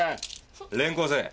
連行せえ。